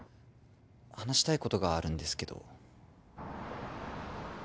話したいことがあるんですけど。